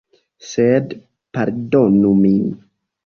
Sed pardonu min.